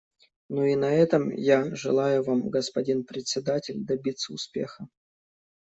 Ну и на этом я желаю вам, господин Председатель, добиться успеха.